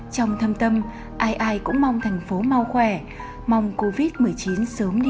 trong thâm tâm ai ai cũng mong thành phố mau khỏe mong covid một mươi chín sớm đi qua nhà nhà được đoàn tụ cuộc sống bình thường trở lại